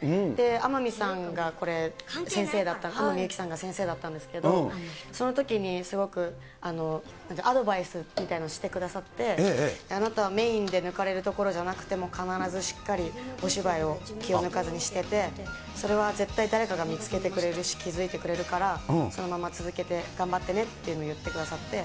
天海さんがこれ、先生だった、天海祐希さんが先生だったんですけど、そのときにすごくアドバイスみたいなのをしてくださって、あなたはメインで抜かれるところじゃなくても、必ずしっかりお芝居を気を抜かずにしてて、それは絶対、誰かが見つけてくれるし、気付いてくれるから、そのまま続けて、頑張ってねっていうのを言ってくださって。